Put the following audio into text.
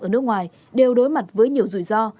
ở nước ngoài đều đối mặt với nhiều rủi ro